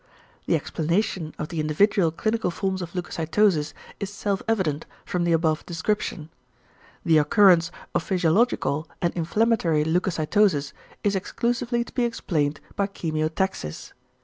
The explanation of the individual clinical forms of leucocytosis is self evident from the above description. The occurrence of physiological and inflammatory leucocytosis is exclusively to be explained by chemiotaxis.